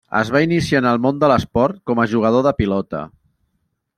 Es va iniciar en el món de l'esport com a jugador de pilota.